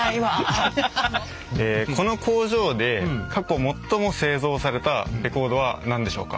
この工場で過去最も製造されたレコードは何でしょうか？